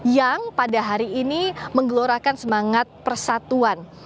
yang pada hari ini menggelorakan semangat persatuan